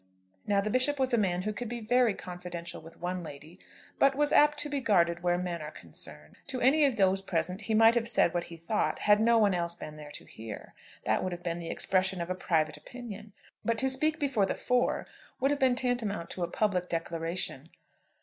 Now the Bishop was a man who could be very confidential with one lady, but was apt to be guarded when men are concerned. To any one of those present he might have said what he thought, had no one else been there to hear. That would have been the expression of a private opinion; but to speak before the four would have been tantamount to a public declaration.